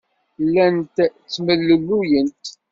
Llant ttemlelluyent.